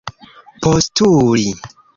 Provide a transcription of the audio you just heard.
postuli